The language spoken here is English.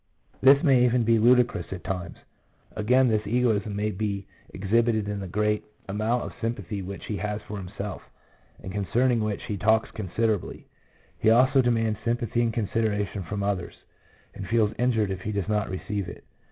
This may even be ludicrous at times. Again, this egotism may be exhibited in the great 1 N. Kerr, Inebriety ', p. 55. IO I46 PSYCHOLOGY OF ALCOHOLISM. amount of sympathy which he has for himself, and concerning which he talks considerably. He also demands sympathy and consideration from others, and feels injured if he does not receive it.